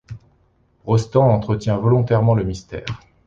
Rostand entretient volontairement le mystère.